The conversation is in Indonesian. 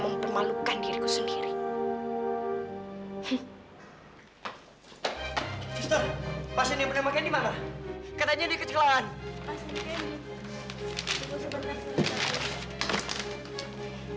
sistem pasien yang pernah mengandung mana katanya di kecelakaan